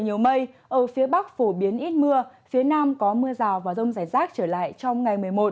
nhiều mây ở phía bắc phổ biến ít mưa phía nam có mưa rào và rông rải rác trở lại trong ngày một mươi một